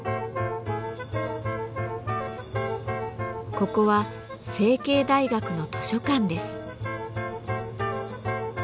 ここは成蹊大学の図書館です。